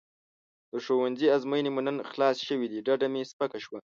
د ښوونځي ازموینې مو نن خلاصې شوې ډډه مې سپکه شوه.